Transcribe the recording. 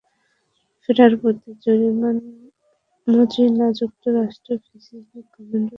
ফেরার পথে মজীনা যুক্তরাষ্ট্র প্যাসিফিক কমান্ডের সঙ্গে পরামর্শের জন্য হাওয়াই যাবেন।